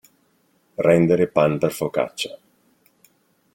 Rendere pan per focaccia.